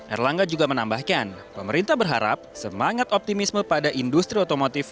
erlangga juga menambahkan pemerintah berharap semangat optimisme pada industri otomotif